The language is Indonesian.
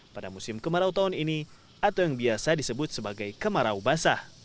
pada musim kemarau tahun ini atau yang biasa disebut sebagai kemarau basah